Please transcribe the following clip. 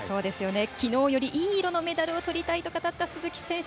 きのうよりいい色のメダルをとりたいと語った、鈴木選手